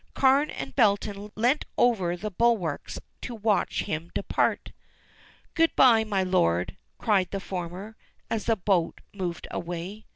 Carne and Belton leant over the bulwarks to watch him depart. "Good bye, my lord," cried the former, as the boat moved away.